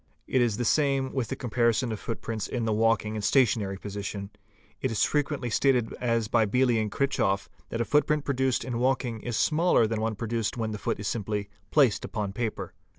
; It is the same with the comparison of footprints in the walking — and the stationary position. It is frequently stated as by Beely & Kirch hoff,® that a footprint produced in walking is smaller than one produced —|'| Hl MEASUREMENTS 433 when the foot is simply placed upon paper.